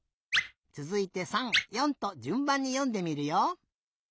つづいて３４とじゅんばんによんでみるよ。